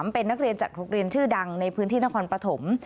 เป็นนักเรียนจากโรงเรียนชื่อดังในพื้นที่นครปฐม